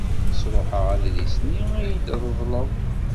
Sṛuḥeɣ adlis-nni ay iyi-d-treḍled.